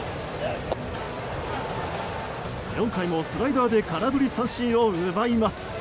４回もスライダーで空振り三振を奪います。